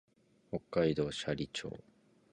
北海道斜里町